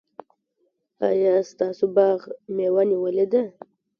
ایا ستاسو باغ مېوه نیولې ده؟